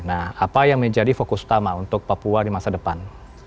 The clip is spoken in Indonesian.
nah apa yang menjadi fokus utama untuk papua di masa depan